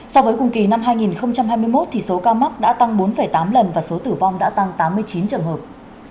so với cùng kỳ năm hai nghìn hai mươi một số ca mắc đã tăng bốn tám lần và số tử vong đã tăng tám mươi chín trường hợp